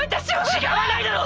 違わないだろ！